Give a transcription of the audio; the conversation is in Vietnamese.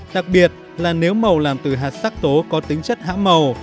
đặc biệt là nếu màu làm từ hạt sắc tố có tính chất hạ màu